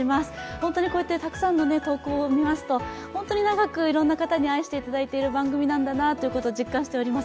本当にこうやってたくさんの抱負を見ますと本当に長くいろんな人に愛されている番組なんだなと実感しております。